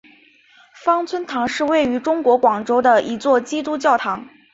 芳村堂是位于中国广州的一座基督教堂。